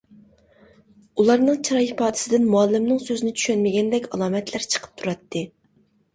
ئۇلارنىڭ چىراي ئىپادىسىدىن مۇئەللىمنىڭ سۆزىنى چۈشەنمىگەندەك ئالامەتلەر چىقىپ تۇراتتى.